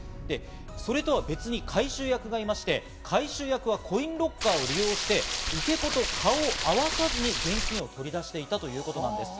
それとは別に回収役がいまして、回収役はコインロッカーを利用して受け子と顔を合わさずに現金を取り出していたということです。